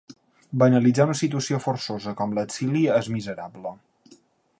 Banalitzar una situació forçosa com l'exili és miserable.